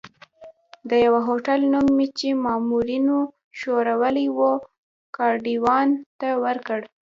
د یوه هوټل نوم مې چې مامورینو ښوولی وو، ګاډیوان ته ورکړ.